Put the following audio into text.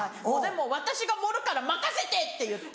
もう私が盛るから任せて！って言って。